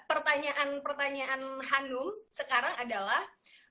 pertanyaan pertanyaan hanum sekarang adalah